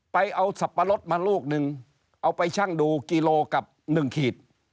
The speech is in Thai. ไปเอาสับปะรดมาลูกนึงเอาไปชั่งดูกิโลกับ๑ขีด